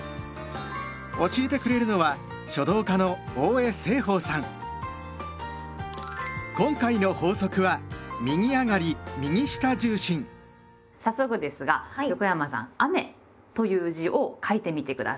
教えてくれるのは今回の法則は早速ですが横山さん「雨」という字を書いてみて下さい。